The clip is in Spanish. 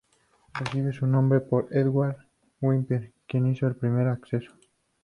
Recibe su nombre por Edward Whymper, quien hizo el primer ascenso.